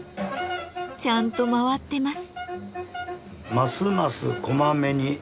ちゃんと回ってます。